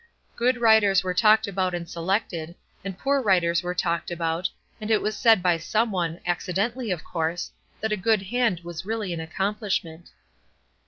Good writers were talked about and selected, and poor writers were talked about, and it was said by some one, accidentally of course, that a good hand was really an accomplishment.